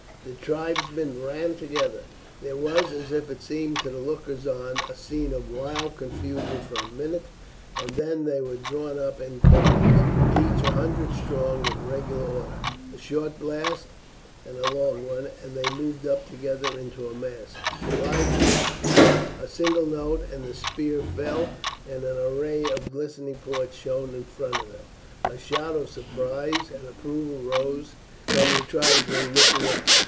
The tribesmen ran together; there was, as it seemed to the lookers on, a scene of wild confusion for a minute, and then they were drawn up in companies, each a hundred strong, in regular order. A short blast and a long one, and they moved up together into a mass five deep; a single note, and the spears fell, and an array of glistening points shone in front of them. A shout of surprise and approval rose from the tribesmen looking on.